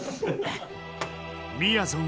みやぞん